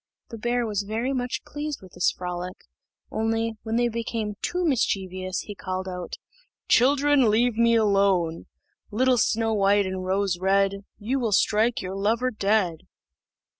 The bear was very much pleased with this frolic, only, when they became too mischievous, he called out, "Children, leave me alone." "Little Snow white and Rose red, You will strike your lover dead."